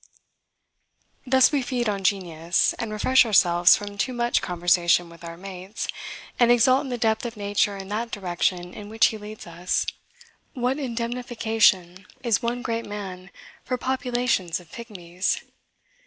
Thus we feed on genius, and refresh ourselves from too much conversation with our mates, and exult in the depth of nature in that direction in which he leads us. What indemnification is one great man for populations of pigmies!